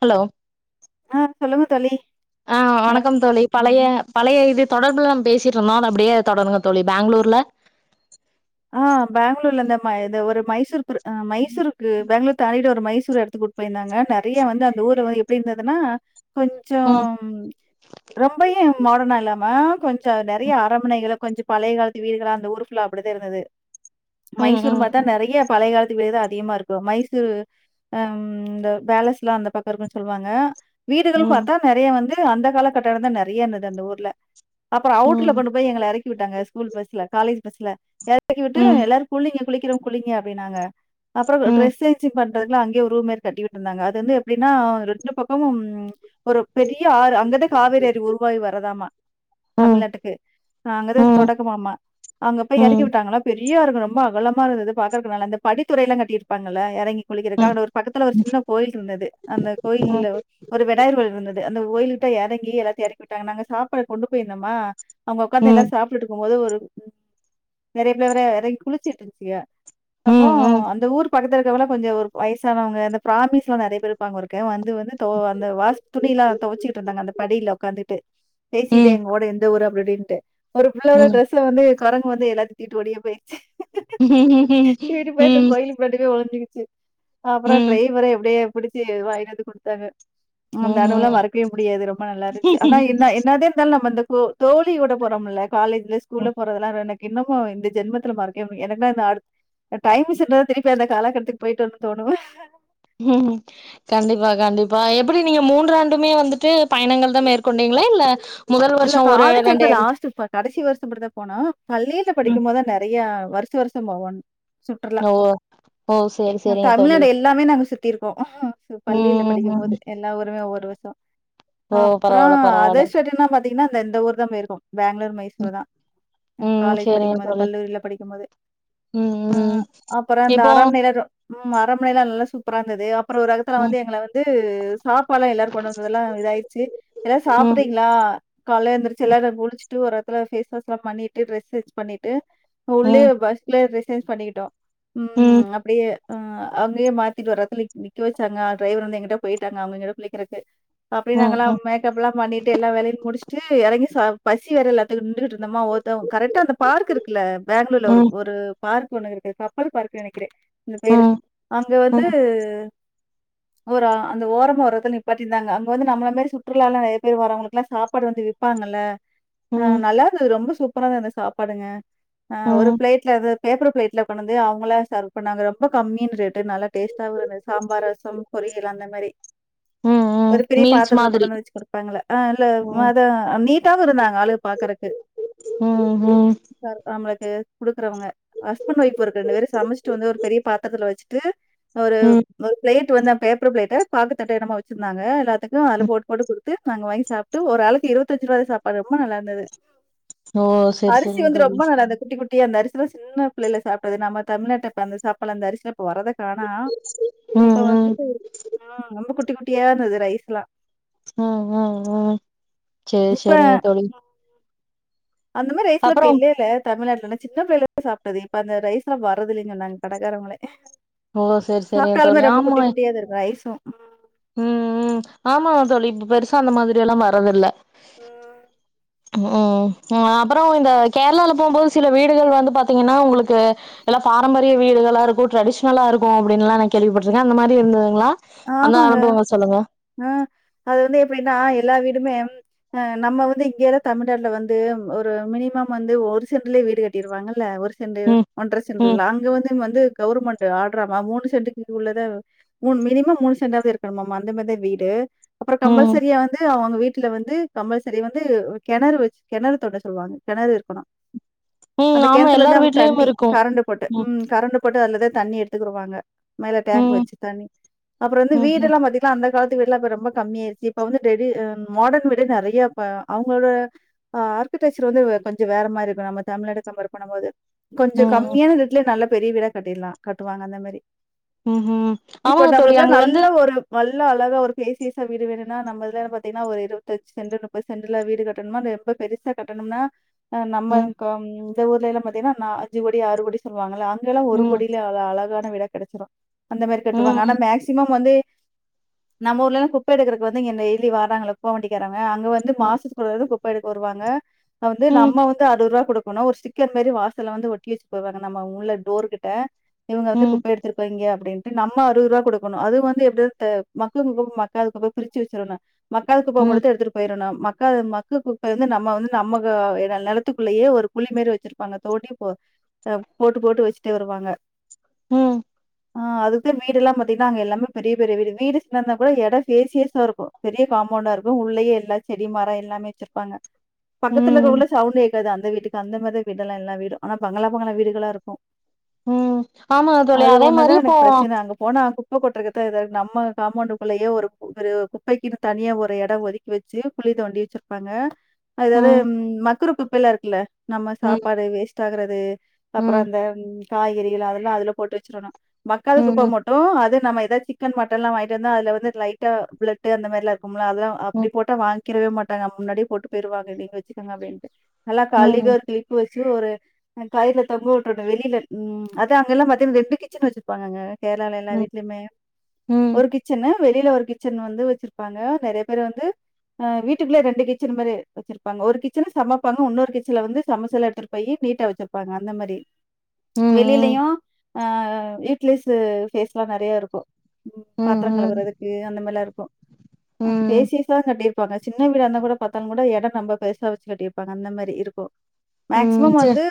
Hello ஆஹ் சொல்லுங்க தோழி ஆஹ் நல்லா வணக்கம் இருக்கீங்களா? தோழி பழய ம். பழய இது தொடர் நம்மல பேசிட்ருந்தோ அத அப்படியே தொடருங்க தோழி பெங்களூர்ல ஆஹ் பெங்ளூர்ல இந்த ம இந்த ஒரு மைசூர் ரு மைசூருக்கு பெங்களூர் தனிட ஒரு மைசூர் எடத்துக்கு கூட்போயிருந்தாங்க நெறைய வந்து அந்த ஊர் வந்து எப்படி இருந்ததுன்னா கொஞ்ச ம் ரொம்பயு மாடனால ஆமா கொஞ்ச நெறைய அரமனைகளை கொஞ்ச பழையகாலத்து வீடுகள அந்த ஊர் ஃபுல்லா அப்டி இருந்தது ம் மைசூர் ம் மாத்தான் நெறைய பழைய கால விலைதா அதிகமா இருக்கு மைசூர் ஆஹ் இந்த பேலஸ்லா அந்த பக்க இருக்குன்னு சொல்லுவாங்க வீடுகளும் ம் பார்த்தா நெறைய வந்து அந்த கால கட்டடந்தா நெறைய இருந்தது அந்த ஊர்ல அப்புற அவுட்ல ம் கொண்டு போய் எங்கள எறக்கி விட்டாங்க ஸ்கூல் பஸ்ல காலேஜ் பஸ்ல எறக்கி விட்டு ம் எல்லாரும் குளிங்க குளிக்கிறோம் குளிங்க அப்படின்னாங்க அப்ற ம் ட்ரஸ் சேன்ஜ் பண் அங்யெ ஒரு ரூம் மேரி கட்டி விட்ருந்தாங்க அது வந்து எப்படின்னா ரெண்டு பக்கமும் ஒரு பெரிய ஆறு அங்கதே காவேரி அறி உருவாய் வரதாமா ம் தமிழ்நாட்டுக்கு அங்கதா ம் தொடக்கமாமா அங்க போய் எறக்கி ம் விட்டாங்களா பெரியாருக்கனும் ரொம்ப அகலமா இருந்தது பாக்ரகு நல்லாருந்தது படித்துறைல்லாம் கட்டிருப்பாங்கள்ல எறங்கி ம் ம் குளிக்குறதுக்காக அங்க ஒரு பக்கத்துல ஒரு சின்ன கோயில் இருந்தது அந்த கோயில்ல ஒரு விநாயகர் இருந்தது அந்த கோயில் கிட்ட எறங்கி எல்லாத்தையும் எறக்கி விட்டாங்க நாங்க சாப்பாடு கொண்டு போயிருந்தோம்மா அங்க உக்காந்து ம் எல்லாம் சாப்பிட்டிட்டுருக்கும்போது ஒரு நெறைய பேர் எறங்கி குளிச்சிட்டு இருப்பிக அப்போ ம் ம் ம் அந்த ஊர் பக்கத்துல கொஞ்சம் ஒரு வயசானவங்க அந்த பிராமிஸ் எல்லாம் நறைய பேர் இருப்பாங்க ஊருக்ககு வந்து வந்து அந்த வாச துணி எல்லாம் துவைச்சுட்டு இருந்தாங்க அந்த படியில உட்காந்துட்டு பேசிட்டு எங்களோட எந்த ஊர் அப்படின்ட்டு ஒரு பிள்ளோட டிரெஸ்ஸ வந்து கரண்ட் வந்து எல்லா வீட்டோடியே போயிருச்சு உம்ஹூஹூம் உம் செ அப்புறம் ட்ரைவர எப்டியே பிடிச்சி வாங்கினுவந்து குடுத்தாங்க முந்தா ம் நாள் மறக்கவே முடியாது ரொம்ப நல்லா இருன்சு ஆனா என்ன என்னாது இருந்தாலும் நம்ம இந்த தோழி கூட போறோம்ல காலேஜ்ல ஸ்கூல்ல போடுறதலாம் நானு இன்னும் ஓ இந்த ஜென்மத்துல மறக்கவே முடியாது எனக்கு தான் இந்த அடுத்த டைம்மிஷின்ல திருப்பி அந்த காலக் கட்டத்துக்கு போயிட்டு வரனும்னு தோணும் ஹம் கண்டிப்பா கண்டிப்பா எப்படி நீங்க மூன்றாண்டுமே வந்துட்டு பயணங்கள் தான் மேற்கொண்டீங்களா இல்ல முதல் இல்ல வருஷோ ஒரு காலேஜ்ல வந்து ரெண்டு லாஸ்ட்ல கடைசி வருஷம் மட்டும் தான் போனோம் பள்ளியில ம் படிக்கும் போது தான் நறைய வருஷம் வருஷம் போவோம் சுற்றுலா ஓ ஓ சேரி சேரிங்க தோழி தமிழ்நாடு எல்லாமே நாங்க சு இருக்கோ [unintelligible] சோ பள்ளியில படிக்கும்போது ம் எல்லா ஊருமே ஒர் ஒரு வருஷ ஓ அப்பற பரவால்ல அதே பரவால்ல ஷர்ட் நா மாத் தீன்னா ஆ இந்த ஊர் தா போய்ருக்கோ பெங்களூர் மைசூர் அதா ஆ ம் காலேஜ் சரிங்க படிக்கும்போது தோழி கல்லூரியில படிக்கும் போது ம் ஆ ம் அப்புறம் அந்த இப்போ அரண்மனை ம் அரண்மனைலா நல்லா சூப்பரா இருந்தது அப்றோ ஒரு எடத்துல ம் வந்து எங்கள வந்து [unintelligible] சாப்பாட்லா எல்லாரு கொண்டு வந்ததெல்லா இதாயிடுச்சு எல்லாரு ம் சாப்பிட்டீங்களா காலைல எந்திருச்சி எல்லாரு [unintelligible] [unintelligible] ஒரு எடத்துல ஃபேஸ் வாஷ்லா பண்ணிட்டு ட்ரெஸ் சேஞ்ச்லா பண்ணிட்டு உள்ளே ம் பஸ்லியே சேஞ்ச் பண்ணிக்கிட்டோ ம் ம் அப்டியே ஆ அங்கயே மாத்திட்டு ஒரு எடத்துல நிக்க வச்சாங்க டிரைவர் வந்து எங்குட்டோ போயிட்டாங்க அவங்க எங்கன்னோ குளிக்கறக்கு அப்டி ம் நாங்கெல்லா ம் மேக்கப்லா பண்ணிட்டு எல்லா வேலையு முடிச் ட்டு எறங்கி சாப் பசி வேற எல்லாத்துக்கு நிண்டுட்டு நம்ம ஒவ்வொர்த்ங் கரெக்டா அந்த பார்க் இருக்குல்ல பெங்களூர்ல ஒரு ம் ம் ஒரு பார்க் ஒன்னு இருக்கு கப்பல் பார்க் நெனக்கிறே இது பேரு அங்க வந்து ம் ஒரு ஆ அந்த ஓரமா ஒரு எடத்துல நிப்பாட்டிருந்தாங்க அங்க வந்து நம்மள மேரி சுற்றுலாலா ஏற்கனவே வரவங்களுக்கெல்லா சாப் ப்பாடு வந்து விப்பாங்கல ஆ ம் நல்லாருந்துது ரொம்ப சூப் அப்றோ அந்த சாப்பாடுங்க ஆ ஒரு ம் பிளேட்ல அது பேப்பர் ப்ளேட்ல கொண்டாந்து அவங்களா சர்வ் பண்ணாங்க ரொம்ப கம்மின்னு ரேட் நல்ல டேஸ்ட்டாவு இருந்தது சாம்பார் ரசம் பொரியல் அந்த மாரி ம் ஒரு பெரிய மீல்ஸ் பாத்திரத்துல மாதிரி கொண்ணாந்து வச்சு குடுப்பாங்கல்ல ஆ இல்ல ம் [unintelligible] நீட்டாவு இருந்தாங்க ஆளுங்க பாக்குறக்கு ம் ம் [unintelligible] குடுக்குறவங்க ஹஸ்பண்ட் ஒய்ஃப் இருக்கு ரெண்டு பேரு சமச்சிட்டு வந்து ஒரு பெரிய பாத்தரத்துல வச்சுட்டு ஒரு ம் ஒரு ப்ளேட் வந்து பேப்பர் ப்ளேட்டு பாக்குத் தட்டு என்னமோ வச்சிருந்தாங்க எல் டக்குனு அதுல போட்டு போட்டு குடு த்து நாங்க வாங்கி சாப் ட்டு ஒரு ஆளுக்கு இருபத்தஞ்சு ரூபாதா சாப்பாடு ரொம்ப நல்லா இருந்தது ஓ சரி அரிசி சரிங்க வந்து தோழி ரொம்ப நல்லாருந்து குட்டி குட்டி டி அந்த அரிசில சின்ன பிள்ளைல சாப்ட்டது நம்ம தமிழ்நாட்டப்ப அந்த சாப்டல அந்த அரிசில இப்ப வர்றதக்கானா ம் இப்ப ம் வந்துட்டு ஆ ரொம்ப குட் குட்டி குட்டியா இருந்தது ரைஸ்லா ஆ ஆ ம் செரி இப்ப செரிங்க தோழி அந்த மாரி ரைஸ்ல இப்ப அப்புறோ இல்லேல தமிழ்நாட் இன்னொன்னு சின்ன பிள்ளைல சாப்பிட்டது இப்ப அந்த ரைஸ்ல்லா வரது இல்ல சொன்னாங்க கடக்காரங்களே ஓ செரி செரிங்க தோழி ஆமா தான் இருக்கும் ரைஸும். ம் ம் ஆமா தோழி இப்ப பெருசா அந்த மாதிரில்லா வரதில்ல ம். ம் அப்பறம் இந்த கேரளால போம் போது சில வீடுகள் வந்து பாத்திங்கனா உங்களுக்கு எல்லா பாரம்பரிய வீடுகளாருக்கு டிரெடிஸனலா இருக்கும் அப்டிலா நா கேள்விபட்ருக்க அந்த மாரி இருந்த துங்களா ஆமாங்க அ அது வந்து எப்டின்னா எல்லா வீடுமே ஆஹ் நம்ம வந்து இங்கேயல்லாம் தமிழ்நாட்டுல வந்து ஒரு மினிமம் வந்து ஒரு செண்டலயே வீடு கட்டிருவாங்கல்ல ஒரு செண்டு ம் ஒன்ற ம் சென்டுங்கலா அங்க வந்து வந்து கவர்மெண்ட் ஆ றாங்க மூணு சென்டுக்கு உள்ளத மூனு மினிமம் மூனு செண்டாவே இருக்கணுமாமா அந்த மாரி தா வீடு அப்புறம் ம் கம்பல்சரியா வந்து அவுங்க வீட்டுல வந்து கம்பல்சரி வந்து கெணறு வச்சு கெணறு தோண்ட சொல்லுவாங்க கெணறு இருக்கணும் ம் அந்த ஆமா கெணத்துல இருந்து எல்லார் அவக்கு வீட்லயும் தண்ணி இருக்கும் கரண்டு போட்டு ம் உம் கரண்டு போட்டு அதுல தண்ணி எடுத்துக்குடுவாங்க மேல டேங்க் ம் வச்சு தண்ணி அப்பறம் வந்து ம் ம் வீடலாம் பாத்தீங்கனா அந்த காலத்து வீடுஎல்லாம் இப்ப ரொம்ப கம்மி ஆயிருச்சு இப்ப வந்து டிரெடி மாடர்ன் வீடு நிறைய அவங்களோட ஆர்கிடெக்சர் வந்து கொஞ்சம் வேற மாரி இருக்கும் நம்ம தமிழ்நாட கம்பேர் பண்ணும் போது கொஞ்சம் ம் கம்மியான [unintelligible] நல்ல பெரிய வீடா கட்டிறலாம் கட்டுவாங்க அந்த மாரி உஹும் இப்ப ஆமாங்க தோழி நம்மளுக்கெல்லாம் அங்க வந்து நல்ல ஒரு பல்பு எல்லா அழகா ஒரு பேசியசா வீடு வேணுனா நம்ம இதுல பாத்தீங்கன்னா ஒரு இருபத்தை செண்டு முப்பது செண்டுல வீடு கட்டணும் ரொம்ப பெருசா கட்டணும்னா ஆ ம் நம்மக்க [unintelligible] இந்த ஊருலெல்லாம் பாத்தீங்கனா அஞ்சு கோடி ஆறு கோடி சொல்லுவாங்கல ஒரு ம் கோடிலேயே அவ்வளவு அழகான இருக்கு விட கிடைச்சிறும் அந்த மாரி கட்டுவாங்க ஆனா ம் மேக்ஸ் வந்து நம்ம ஊர்ல குப்பை எடுக்கிறதுக்கு வந்து இங்க டெய்லி வாரங்கள குப்ப வண்டிகாரங்க அங்க வந்து ம் மாசத்துக்கு ஒரு குப்ப குப்ப எடுக்க வருவாங்க வந்து ம் நம்ம வந்து அறுபது ரூபா குடுக் ஒரு ஸ்டிக்கர் மாரி வாசல வந்து ஒட்டி வச்சு போவாங்க நம்ம உள்ள டோர் கிட்ட இவங்க வந்து ம் குப்பை எடுத்திருபாய்ங்க பிடிண்டு நம்ம அறுதுரூபா குடுக்க அது வந்து எப்படி மக்கும் குப்பை மக்கா குப்பை பிரிச்சு வச்சிரணு மக்காத குப்ப ம் மட்டும் எடுத்து போயிரணு அக்க மக்க குப்பை வந்து நம்ம வந்து நம்ம நிலத்துக்குள்ளயே ஒரு குழி மாதிரி வச்சிருப்பாங்க தோண்டி போ போட்டு போட்டு வச்சிட்டே வருவாங்க உம்ஹ் ஆஹ அதுக்குள்ள மேடு எல்லாம் போய்ட்டு அங்க எல்லாமே பெரிய பெரிய வீடு வீடு சின்னதா இருந்த கூட எடம் பேசியஸா இருக்கும் பெரிய காம்பவுண்டா இருக்கும் உள்ளயே எல்ல செடி மரம் எல்லாமே வச்சிருப்பாங்க பக்கத்துல இருக்க ம் வுட்ல சவுண்ட் கேக்காது அந்த வீட்டுக்கு இது அந்த மாரி வீடு எல்லாம் வீடும் ஆனா பங்களா பங்களா வீடுகளா இருக்கு உம் ஆமா தோழி அதே மாரி இப்ப யக்கா எதது நம்ம காம்பாண்டுக்குள்ளயே ஒரு ஒரு குப்பைக்குன்னு தனியா ஒரு இடம் ஒதுக்கி வச்சு குளி தோண்டி வச்சிருப்பாங்க அது ஒரு ம் மக்ருப்க்கு ஃபிரீயா இருக்குல நம்ம ம் சாப்பாட வேஸ்ட் பாக்கறதே அப்பறம் ம் அந்த காய்கறிகள் அதெல்லாம் அதுல போட்டு வச்சிடணும் ம் மக்காதகுப்ப ம் மட்டும் அது நம்ம ஏத சிக்கன் மட்டன்லா வாங்கிட்டு வந்தா அதுல வந்து லைட்டா ஃப்ளட் அந்த மாதிரிலா இரு க்கும் இல்ல அதெல்லாம் அப்படி ம் போட்டா வாங் கிடவே மாட்டாங்க முன்னாடியே போட்டு போயிடுவாங்க நீங்க வச்சுக்கங்க அப்படின்ட்டு நல்லா கழுகி ம் ஒரு திருப்பி வச் சு ஒரு கயிறல தொங்க விட்டுறனும் வெளியில ம் அத்த அங்க எல்லாம் பாத்த ரெண்டு கிச்சன் வச்சிருப்பாங்கங்க கேரளால எல்லா ம் வீடு மே ம். ஒரு கிச்சனு வெளியில ஒரு கிச்சன் வந்து வச்சிருப்பாங்க நெறய பேர் வந்து அ வீட்டுக்குள்ளே ரெண்டு கிச்சன் மாரி வச்சிருப்பாங்க ஒரு கிச்சன் சமைப்பாங்க இன்னொரு கிச்சன்ல வந்து சமச்சதெல்லாம் எடுத்துட்டு போய் நீட்டா வச்சிருப்பாங்க அந்த மாரி ம் வெளியிலயும் அஹ் ஈட்லிசு பேஸ் தெலா நெறைய இருக்கோ உம் ம் பாத்திரம் ம் கழுவுரதுக்கு அந்த மாரில்லா இருக்கோ ம் அஹ் ம் பேஷியஸ் அங்க டே இருப்பாங்க சின்ன வீட இருந்தா கூட பார்த்தாங் கூட எடோ நெம்ம பெருசா வெச்சு கட்டிருப்பாங்க அந்த மாரி இருக்கோ ம் மேக்சிமம் சே வந்து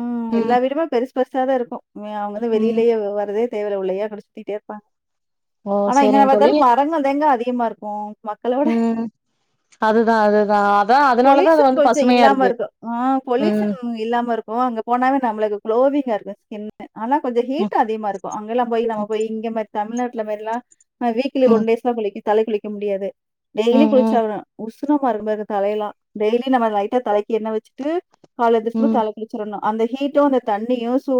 உம் ம் எல்லா வீடுமே பெருசு பெருசா தா இருக்கோ [unintelligible] அவுங் ம் வெளியிலேயே வரதே தேவையில்ல. உள்ளேயே அங்குட்டே சுத்திக்கிட்டே இருப்பாங்க ஓ ஆனா இங்க சேரிங்க எங்க தோழி பாத்தாலு மரங்கள் தாங்க அதிக அதிகமா இருக்கோ மக்களோட ம் அதுதா அதுதா அதா அதனாலதா அது பொல்யூசன் வந்து கொஞ்சோ பசுமையா இல்லாம இருக்கு இருக்கும் ஆஹ் ம் பொல்யூசன் இல்லாம இருக்கும் அங்க போனாவே நம்மளுக்கு குளோவிங்கா இருக்கும் என்ன ஆனா கொஞ்சோ ம் ஹீட்டும் அதிகமா இருக்கோ அங்கெல்லாம் போய் நம்ம போய் இங்க மாரி தமிழ்நாட்டுல மாரிலா ஆ வீக்ல ம் ஒன் டேஸ்தா [unintelligible] தலை குளிக்க முடியாது டெய்லி ம் குளிச்சாவனு [unintelligible] தலை எல்லா டெய்லி நம்ம லைட்டா தலைக்கு எண்ண வெச்சுட்டு காலையில எந்திரிச்ச ஒடனே ம் தலைக் குளிச்சறனு அந்த ஹீட்டு அந்த தண்ணியு சோ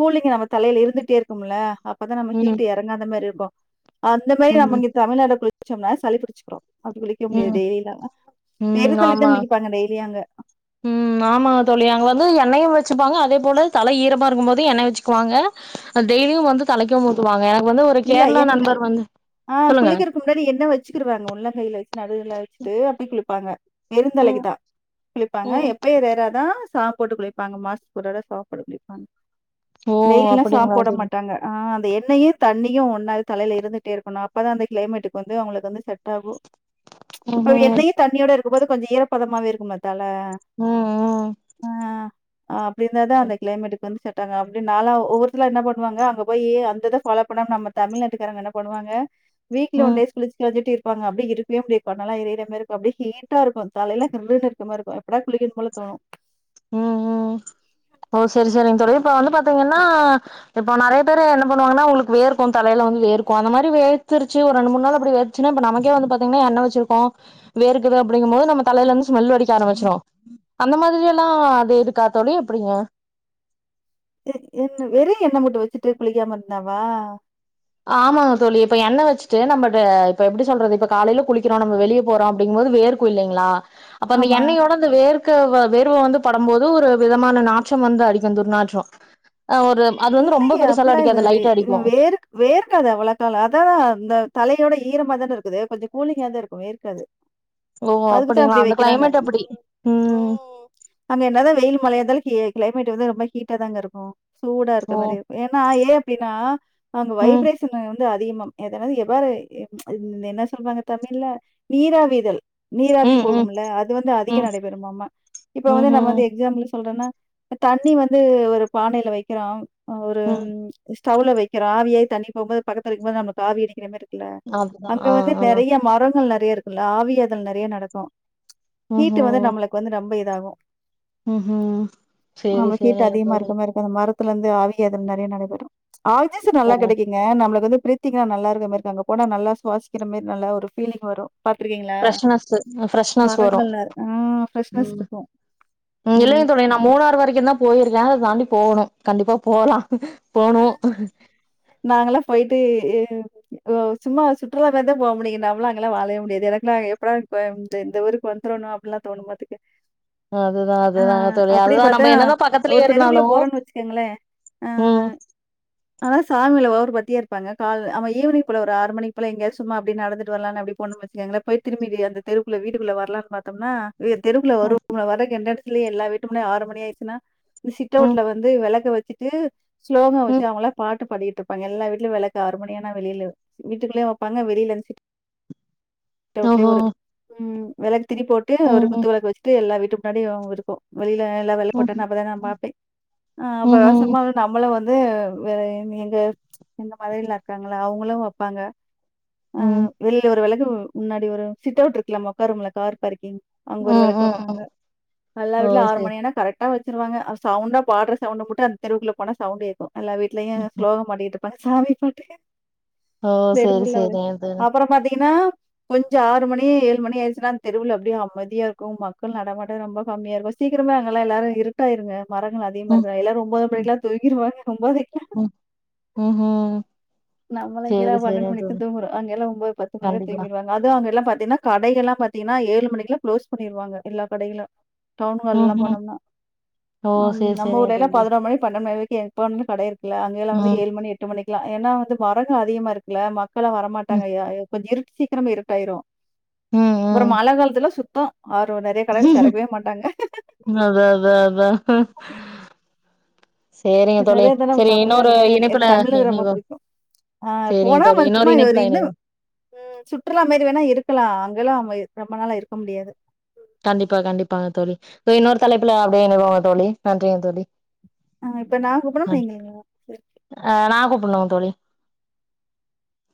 கூலிங் நம்ம தலையில இருந்துட்டே இருக்கும்ல அப்பதா நம்ம ம் ம் ஹூட்டு எறங்காத மாரி இருக்கோ அந்த மேரி ம் நம்ம தமிழ்நாட்க்குள்ள குளிச்சோம்னா சளி புடிச்சுக்குறோ அப்டி குளிக்க முடியாது ம் டெய்லிலா இருந்தாலு இப்டி தா குளிப்பாங்க டெய்லியு அங்க உம் ஆமாங்க தோழி அங்க வந்து எண்ணெய்யு வெச்சுப்பாங்க அதே போல தலை ஈரமா இருக்கும் போதும் எண்ணெய் வெச்சுக்குவாங்க டெய்லியும் வந்து தலைக்கும் ஊத்துவாங்க வந்து ஒரு இல்ல கேரளா எண் நண்பர் வந்து ஆஹ் சொல்லுங்க குளிக்கறதுக்கு முன்னாடி எண்ண வெச்சுக்குருவாங்க உள்ளங் கையில வெச்சு நடுல வெச்சுட்டு அப்டி குளி ப்பாங்க ம் வெருந்தலைக்குதா குளிப்பாங்க ம் எப்பயோ ரேரா தா சாம் போட்டு குளிப்பாங்க மாஸ்த்துக்கு ஒரு தடவ சேம்பு குளிப்பாங்க ஓ டெய்லிலாம் சாம்ப்பு அப்டிங்களா போட தோழி மாட்டாங்க ஆஹ் எண்ணையும் தண்ணியும் ஒன்னாவே தலையில இருந்துட்டே இருக்கணும் அப்பதா அந்த கிளைமேட்டுக்கு வந்து அவுங்களுக்கு வந்து செட் ஆகும் ம் இப்ப ம் எண்ணெயு தண்ணியோட எப்போது கொஞ்ச ஈரப்பதமாவே இருக்கும் மத்த ஆ ஆ ஆ அப்பிடிதான அந்த க்ளைமேட்டுக்கு வந்து இத்தன அப்பிடி நாலா ஒவ்வொருத்தரு என்ன பண்ணுவாங்க அங்க போய் அந்த இத ஃபாலோ இப்ப நம்ம தமிழ்நாட்டுக்காரங்க என்ன பண்ணுவாங்க வீக்ல ஒன் ம் டேய்ஸ் குளிச்சிட்டு [unintelligible] அப்பங்க அப்பிடி இருக்கவே முடியாது கண் எல்லா எறியர மாரி இருக்க அப்பிடி ஹீட்டா இருக்கும் தலைல்லா கிர்ன்னு இருக்கற மாறி இருக்கும் எப்படா குளிக்கின்னு போல தோணும் ம் ம் ம் ஓ சரி சரி [unintelligible] இப்ப வந்து பாத்தீங்கன்னா இப்ப நறைய பேரு என்ன பண்ணுவாங்கன்னா உங்களுக்கு வேர்க்கும் தலையில வந்து வேர்க்கும் அந்த மாரி வேர்த்துருச்சு ஒரு ரெண்டு மூணு நாள் அப்பிடி வேர்த்துச்சினா நமக்கே வந்து பாத்தீங்கன்னா எண்ண வச்சிருப்போம் வேர்க்குது அப்பிடிங்கரபோது நம்ம தலையில இருந்து ஸ்மெல் அடிக்க ஆரம்பிச்சுரும் அந்த மாதிரி இதுக்கெல்லாம் அது இருக்கா தோழி எப்பிடிங்க என் வெறும் என்ன மூட்டும் வச்சுட்டு குளிக்காம இருந்தாவா ஆமாங்க தோழி இப்ப எண்ண வச்சுட்டு நம்ம இப்ப எப்பிடி சொல்றது இப்ப காலையில குளிக்கிறோம் நம்ம வெளியே போறோம் அப்படிங்க போது வேர்கும் இல்லைங்களா அப்ப அந்த ஆமா. எண்ணையோட அந்த வேர் கங்கு வேர்வ வந்து பதம் போது ஒரு விதமான நாற்றம் வந்து அடிக்கும் துர்நாற்றம் ஆ ஒரு அது வந்து ரொம்ப இல்லையே! பெருசால அப்படிலாம் அடிக்காது இதுல லைட்டா அடிக்கும் வேர்க் வேர்க்காது அவ்ளதாங்க அதாதான் இந்த தலையோட ஈரம்மாதானே இருக்குது கொஞ்சம் கூலிங்கா தான் இருக்கும் வேர்க்காது ஓ அதுக்குத்தான் அப்டிங்களா அப்பிடி அந்த வைக்கிறாங்க கிளைமேட் அப்டி ம் அங்க என்னாதான் வெயில் மலைய இருந்தாலும் கி கிளைமேட் வந்து ரொம்ப ஹீட்டா தாங்க இருக்கு ஸ்லோ அந்த ஓ மாரி இருக்கு ஏன்னா ஏ அப்படின்னா அங்க ம் வைப்ரேஷனு வந்து அதிகமாம் எதனா எவ்வாறு என்ன சொல்வாங்க தமிழ்ல நீராவிகள் நீராவி ம் ம் போகும்ல அது வந்து அதிக ம் நடைபெறுமாம இப்ப வந்து நம்ம ம்ஹ்ம் வந்து எக்ஸாம்பிள் சொல்றேன்னா தண்ணி வந்து ஒரு பானையில வைக்கிறோ அவரு ம் ஸ்டவுல வைக்கிறோ ஆவியாயி தண்ணி போம் போது பக்கத்துல இருக்கும் போது நமக்கு ஆவி அடிக்கிற மாரி இருக் ல அதுதான் அங்க ஆ வந்து ஆ நெறைய மரங்கள் ந நெறைய இருக்குல்ல ஆவியாதல் நெறைய நடக்கும் ஹீட்டு வந்து நம்மளுக்கு வந்து ரொம்ப இதாகு ஹும் சேரி சேரிங்க தோழி துலருந்து ஆவி யாதல் நெறைய நடைபெறும் ஆக்சிஜன் ஆ. நல்லா கிடைக்குங்க நம்மளுக்கு வந்து ப்ரீத்திங்ளா நல்லாருக்க மாரி இருக்கு அங்க போனா நல்லா சுவாசிக்கிற மாரி நல்லா ஒரு ஃபீலி்ங் வரும் பாத்துருக்கீங்களா? ஃப்ரஸ்னஸு ஃப்ரஸ்னஸ் வரும் மரங்கள் நெற ஆ ஃப்ரெஷ்னஸ் ம் இருக்கும். இல்லைங்க ம். தோழி நா மூணாறு வரைக்குந்தா போயிருக்கே அத தாண்டி போகணும் கண்டிப்பா போலா நாங்களா போயிட்டு ம் சும்மா சுற்றுலா மாரிதாபோக முடியு நாமலு அங்கல்லா வாழவே முடியாது எனக்குல்லாம்ங்க எப்பட இந்த ஊருக்கு வந்துடணு அப்டின்ல்லா தோணும்பாத்துக்க அதுதா அதுதா தோழி அப்டியே அதுதா பாத்தா நம்ம என்னதா ஒரு பக்கத்திலயே இருந்தாலு தெருவுக்குள்ள போறோன்னு வச்சுக்கோங்களேன். உம் ஆனா சாமில ஓவரா பத்தியா இருப்பாங்க கால் அவ ஈவினிங் போல ஒரு ஆறு மணிக்குள்ள எங்கய சும்மா அப்டின்னு நடந்துட்டு வரலான்னு அப்படி போண்ணுச்சுக்காங்களா போய் திரும்பி அந்த தெருக்குள்ள வீட்டுக்குள்ள வரலான்னு பாத்தோம்னா எ தெருக்குள்ள வரும் ம் [unintelligible] எல்லா வீட்டுமுன்னா ஆறு மணி ஆயிச்சுன்னா சிட் ம் அவுட்ல வந்து வெளக்க வச் ச்சுட்டு ஸ்லோகம் வெச்சு ம் அவுங்கள பாட்டு படி இருப்பாங்க எல்லா வீட்லயும் விளக்கு ஆறு மணியானா வெளில வீட்டுக்குள்ளேயே வைப்பாங்க வெளில இருந்துச் ஒத்தவிட்லே ஓஹோ ஒரு ம் வெளக்கு திரி போட்டு ஒரு ம் ம் குத்து விளக்கு வெச்சுட்டு எல்லா வீட் முன்னாடியே அவுங்க இருக்கு வழியில நல்லா வெள்ளக் பொட்டு ம் நம்மதா நா பாத்தே ம்ஹ்ம் ஆபாசமா நம்மளு வந்து வேற எங் எங்க மதுரையில இருக்காங்கள அவுங்களு வெப்பாங்க ஆஹ் ம் வெளில ஒரு வெளக்கு து முன்னாடி ஒரு சிட் அவுட் இருக்குல நம்ம உக்காரும்ல கார் பார்க்கிங் அங்க ஒரு ம் வெளக்கு ம் வெப்பாங்க ம் எல்லா ஓ வீட்ல ஆறு சரி மணியானா கரெக்ட் அ வெச்சுருவாங்க சவுண்டா பாடுற சவுண்ட் மட்டு அந்த தெருவுக்குல போனா சவுண்டு கேக்கு எல்லா வீட்லயு ஸ்லோக பாடிட்டு சாமி பாட்டு ஓ! தெரு சரி, ஃபுள்ளாவே சரிங்க தோழி. அப்புறோ பாத்தீங்ன்னா கொஞ்சோ ஆறு மணி ஏழு மணி ஆயிடுச்சுனா தெருவுல அப்டியே அமைதியாருக்கு மக்கள் நடமாட்டமே ரொம்ப கம்மியாருக்கு சீக்கிரமே அங்கெல்லா எல்லாரு இருட்டாயிருங்க மரங்கள் அதிகமா ம், இருக்காது எல்லாரு ஒம்பது மணிக்குலா பாருங்க ஒம்போது ம், ம்ஹ்ம். நம்மலா இங்க தா சரி, பன்னெண்டு சரிங்க மணிக்கு தோழி. தூங்குறோ அங்கல்லா ஒன்பது பத்து மணிக்கு கண்டிப்பா. தூங்கிடுவாங்க அது அங்கெல்லா பத்து பாத்தீங்னா கடைகள்ல்லா பாத்தீங்னா ஏழு மணிக்குலா குளோஸ் பண்ணிடுவாங்க எல்லா கடைகளு டவுன் ஹால்லா ம்ஹ்ம். போனோம்னா ஓ! உம் சரி, நம்ம சரிங்க ஊர்லேலா தோழி. பதினோர் மணி உண்மயாவேக்கு எப்போமே கடை இருக்கு இல்ல அங்கெல்லாமே வந்து ம், ஏழு மணி எட்டு மணிக்கு ஏனா வந்து மரங்க அதிகமா இருக்குல மக்க இங்கலா ம், வரமாட்டாங்கயா எப் கொஞ்சோ இருட்டு சீக்கிரமா இருட்டாயிரு அப்புறோ மழ காலத்துலா சுத் தோ அதா அதா அதா என்னத இருந்தாலு நம்ம இன்னொரு தமிழ்நாடு மாரி இணைப்புல எனக்கு தமிழ ரொம்ப இணைவோம். புடிக்கு ஆஹ் சரிங்க போனா தோழி. நம்ம இன்னொரு சும்மா இது ஒரு இணைப்புல இதா இணைவோம். சுற்றுலா மாரி வேணா இருக்கலா அங்கெல்லா போயி ரொம்ப நாளா இருக்க முடியாது கண்டிப்பா கண்டிப்பாங்க தோழி சோ இன்னொரு தலைப்புல அப்டியே இணைவோங்க தோழி நன்றிங்க தோழி ஆஹ் இப்ப நா கூப்டாம நீங்க இணையலா செரி புட்ணு தோழி